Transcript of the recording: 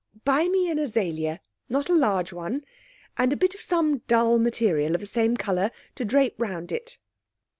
'Buy me an azalea, not a large one, and a bit of some dull material of the same colour to drape round it.'